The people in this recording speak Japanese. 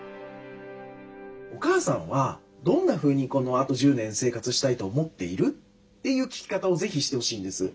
「お母さんはどんなふうにこのあと１０年生活したいと思っている？」という聞き方を是非してほしいんです。